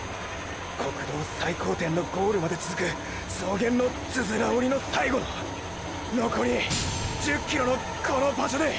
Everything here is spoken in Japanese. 国道最高点のゴールまでつづく草原のつづら折りの最後ののこり１０ｋｍのこの場所で！！